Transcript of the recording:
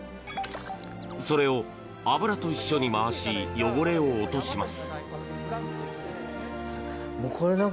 それを、油と一緒に回し汚れを落とします。